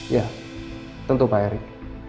ya tentu pak erick